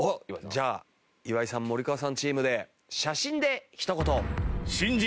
じゃあ岩井さん森川さんチームで写真でひと言。